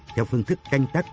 theo phương thức canh tắt